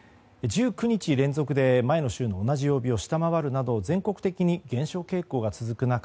１９日連続で前の週の同じ曜日を下回るなど全国的に減少傾向が続く中